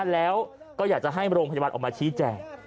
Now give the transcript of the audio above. แล้วก็อยากจะให้โรงพยาบาลออกมาชี้แจง